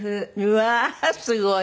うわあすごい！